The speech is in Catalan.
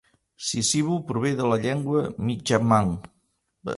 Sissiboo prové de la llengua Mi'kmaq.